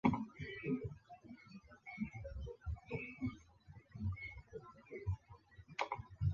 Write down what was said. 一宫町是千叶县长生郡的一町。